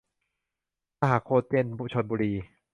สหโคเจน ชลบุรี